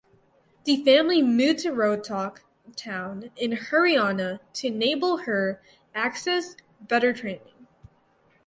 The family moved to Rohtak town in Haryana to enable her access better training.